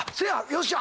よっしゃ！